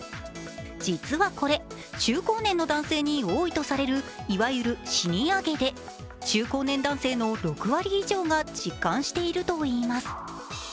実はこれ、中高年の男性に多いとされるいわゆるシニア毛で中高年男性の６割以上が実感しているといいます。